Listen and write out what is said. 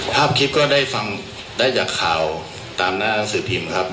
ภาพคลิปก็ได้ฟังได้จากข่าวตามหน้าหนังสือพิมพ์ครับ